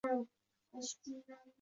Final bosqichining shartli raqslari: